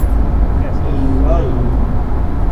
iu ajn